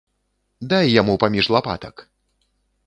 Дай яму паміж лапатак!